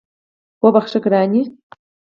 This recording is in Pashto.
وبخښه ګرانې